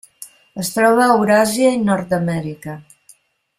Es troba a Euràsia i Nord-amèrica.